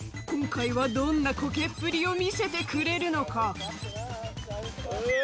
今回はどんなこけっぷりを見せてくれるのか？